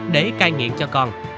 để cai nghiện cho con